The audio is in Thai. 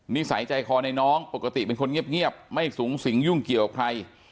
นิสัยใจคอในน้องปกติเป็นคนเงียบไม่สูงสิงยุ่งเกี่ยวใคร